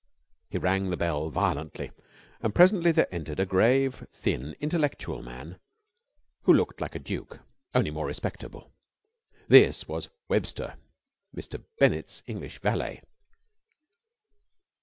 He rang the bell violently, and presently there entered a grave, thin, intellectual man who looked like a duke, only more respectable. This was Webster, Mr. Bennett's English valet.